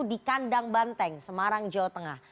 di kandang banteng semarang jawa tengah